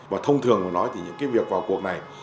và thông thường nói thì những việc vào cuộc này